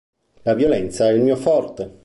La violenza è il mio forte!